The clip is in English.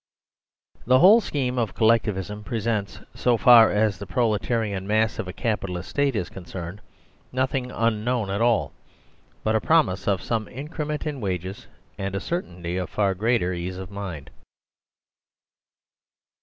The whole scheme of Collectivism presents, so far as the proletarian mass of a Capitalist State is con cerned, nothingunknown at all, but a promise of some increment in wages and a certainty of far greater ease of mind.